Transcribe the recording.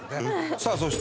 さあそして